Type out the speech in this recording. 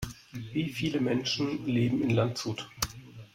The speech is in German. Wie viele Menschen leben in Landshut?